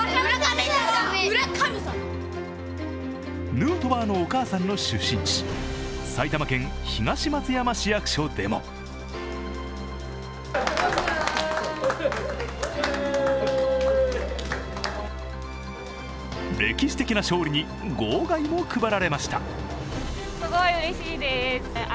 ヌートバーのお母さんの出身地、埼玉県東松山市役所でも歴史的な勝利に号外も配られました。